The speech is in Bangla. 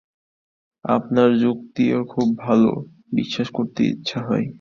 আপনার যুক্তিও খুব ভালো, বিশ্বাস করতে ইচ্ছা হয়।